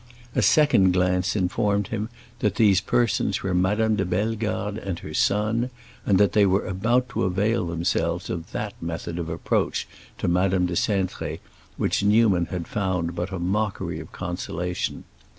A second glance informed him that these persons were Madame de Bellegarde and her son, and that they were about to avail themselves of that method of approach to Madame de Cintré which Newman had found but a mockery of consolation.